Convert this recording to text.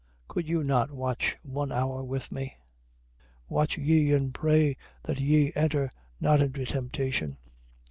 Could you not watch one hour with me? 26:41. Watch ye: and pray that ye enter not into temptation.